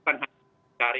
bukan hanya cari